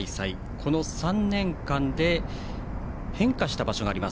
この３年間で変化した場所があります。